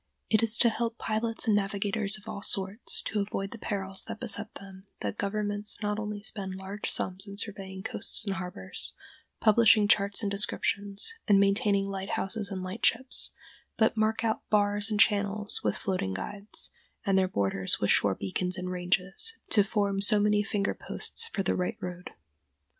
It is to help pilots and navigators of all sorts to avoid the perils that beset them that governments not only spend large sums in surveying coasts and harbors, publishing charts and descriptions, and maintaining lighthouses and lightships, but mark out bars and channels with floating guides, and their borders with shore beacons and "ranges," to form so many finger posts for the right road.